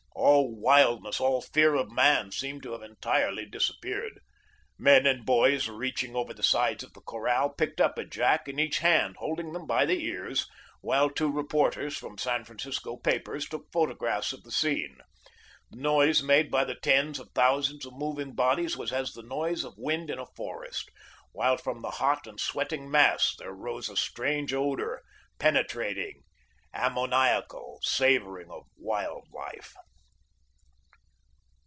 All wildness, all fear of man, seemed to have entirely disappeared. Men and boys reaching over the sides of the corral, picked up a jack in each hand, holding them by the ears, while two reporters from San Francisco papers took photographs of the scene. The noise made by the tens of thousands of moving bodies was as the noise of wind in a forest, while from the hot and sweating mass there rose a strange odor, penetrating, ammoniacal, savouring of wild life.